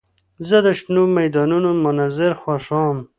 زه د شنو میدانونو منظر خوښوم.